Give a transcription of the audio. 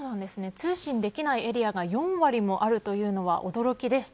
通信できないエリアが４割もあるというのは驚きでした。